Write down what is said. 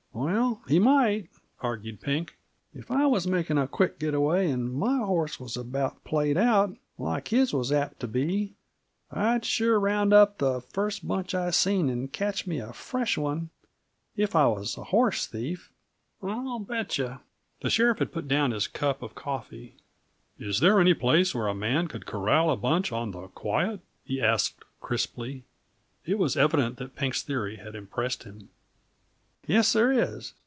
"Well, he might," argued Pink. "If I was making a quick get away, and my horse was about played out like his was apt t' be I'd sure round up the first bunch I seen, and catch me a fresh one if I was a horse thief. I'll bet yuh " The sheriff had put down his cup of coffee. "Is there any place where a man could corral a bunch on the quiet?" he asked crisply. It was evident that Pink's theory had impressed him. "Yes, there is.